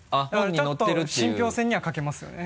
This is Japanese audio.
ちょっと信憑性には欠けますよね。